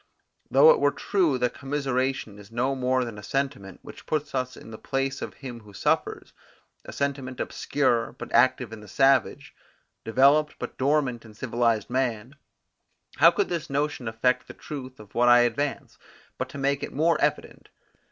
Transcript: Though it were true that commiseration is no more than a sentiment, which puts us in the place of him who suffers, a sentiment obscure but active in the savage, developed but dormant in civilized man, how could this notion affect the truth of what I advance, but to make it more evident.